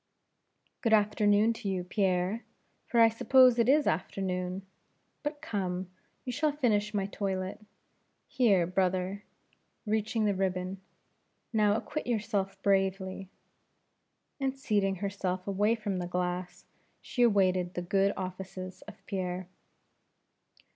"Good afternoon to you, Pierre, for I suppose it is afternoon. But come, you shall finish my toilette; here, brother " reaching the ribbon "now acquit yourself bravely " and seating herself away from the glass, she awaited the good offices of Pierre.